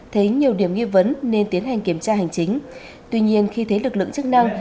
thấy nhiều điểm nghi vấn nên tiến hành kiểm tra hành chính tuy nhiên khi thấy lực lượng chức năng